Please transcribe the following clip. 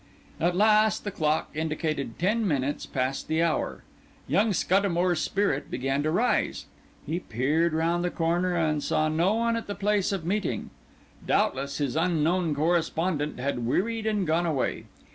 At last the clock indicated ten minutes past the hour. Young Scuddamore's spirit began to rise; he peered round the corner and saw no one at the place of meeting; doubtless his unknown correspondent had wearied and gone away.